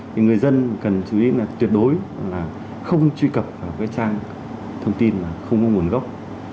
thì người dân cần chú ý là tuyệt đối không truy cập vào trang thông tin không có nguồn gốc